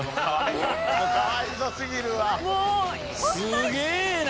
すげえな！